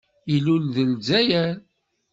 Ilul deg Lezzayer.